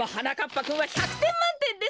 ぱくんは１００てんまんてんです。